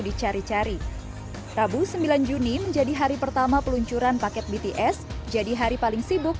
dicari cari rabu sembilan juni menjadi hari pertama peluncuran paket bts jadi hari paling sibuk